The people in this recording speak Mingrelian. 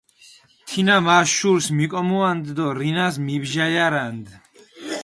თინა მა შურს მიკომუანდჷ დო რინას მიბჟალარანდჷ.